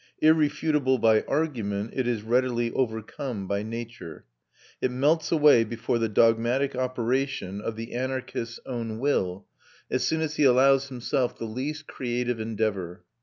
Irrefutable by argument, it is readily overcome by nature. It melts away before the dogmatic operation of the anarchist's own will, as soon as he allows himself the least creative endeavour.